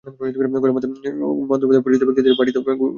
মধ্যে মধ্যে পরিচিত ব্যক্তিদিগের বাটীতেও ঘুরিয়া বেড়াইতেছেন।